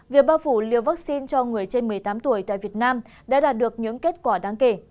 việc bao phủ liều vaccine cho người trên một mươi tám tuổi tại việt nam đã đạt được những kết quả đáng kể